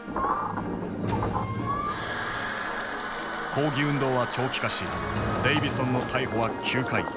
抗議運動は長期化しデイヴィソンの逮捕は９回。